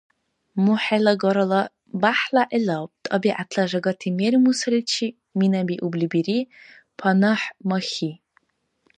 МухӀела Гарала бяхӀла гӀелаб, тӀабигӀятла жагати мер-мусаличиб минабиубли бири ПанахӀмахьи.